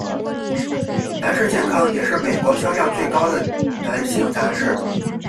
男士健康也是美国销量最高的男性杂志。